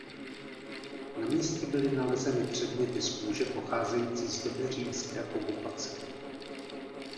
Na místě byly nalezeny předměty z kůže pocházející z doby římské okupace.